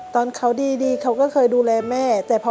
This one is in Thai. ตอนเขาเป็นแบบนี้แม่ก็อยากดูแลเขาให้ดีที่สุด